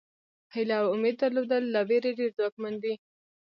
هیله او امید درلودل له وېرې ډېر ځواکمن دي.